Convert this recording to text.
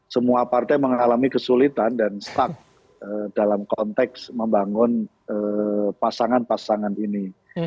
semua partai mengalami kesulitan dan stuck dalam konteks membangun pasangan pasangan ini